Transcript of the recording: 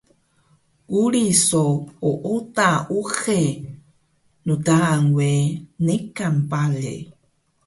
quri so ooda uxe ntaan we niqan bale